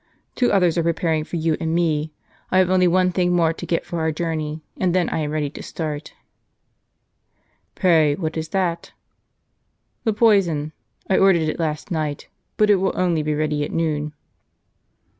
Two others are preparing for you and me. I have only one thing more to get for our jour ney, and then I am ready to start." " Pray what is that ?"" The poison. I ordered it last night, but it will only be ready at noon."